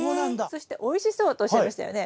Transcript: そしておいしそうとおっしゃいましたよね？